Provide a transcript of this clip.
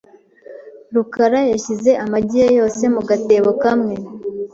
rukara yashyize amagi ye yose mu gatebo kamwe .